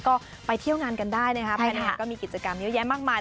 ก็ไปเที่ยวงานกันได้นะครับภายในงานก็มีกิจกรรมเยอะแยะมากมาย